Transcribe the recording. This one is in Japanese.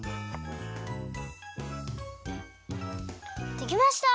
できました！